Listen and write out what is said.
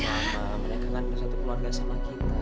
ya mereka kan bersatu keluarga sama kita